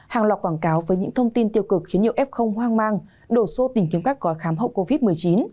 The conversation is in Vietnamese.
hàng loạt quảng cáo với những thông tin tiêu cực khiến nhiều f hoang mang đổ xô tìm kiếm các gói khám hậu covid một mươi chín